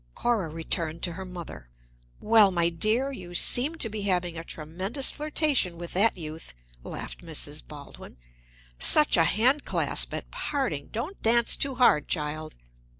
Cora returned to her mother. "Well, my dear, you seemed to be having a tremendous flirtation with that youth," laughed Mrs. Baldwin. "Such a hand clasp at parting! Don't dance too hard, child."